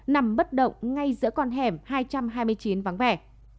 nằm bất động ngay giữa con hẻm hai trăm hai mươi chín vắng vẻ